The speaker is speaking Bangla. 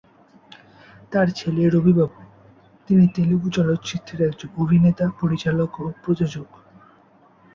তার ছেলে রবি বাবু, তিনি তেলুগু চলচ্চিত্রের একজন অভিনেতা, পরিচালক ও প্রযোজক।